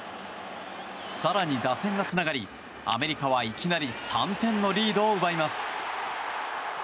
更に打線がつながりアメリカはいきなり３点のリードを奪います。